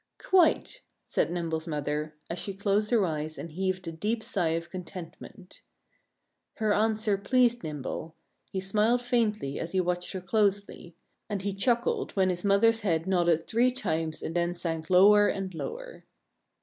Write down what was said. "Quite!" said Nimble's mother, as she closed her eyes and heaved a deep sigh of contentment. Her answer pleased Nimble. He smiled faintly as he watched her closely. And he chuckled when his mother's head nodded three times and then sank lower and lower.